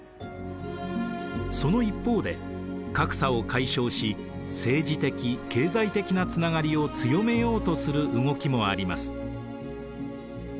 その一方で格差を解消し政治的経済的なつながりを強めようとする動きもあります。